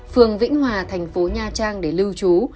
phường vĩnh hòa thành phố nha trang để lưu trú